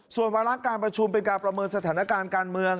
ส่วนวาระการประชุมเป็นการประเมินสถานการณ์การเมือง